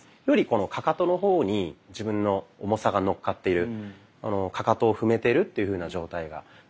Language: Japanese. よりこのかかとの方に自分の重さがのっかっているかかとを踏めているというふうな状態が。